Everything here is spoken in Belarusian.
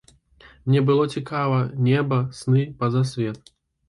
Мне было цікава неба, сны, пазасвет.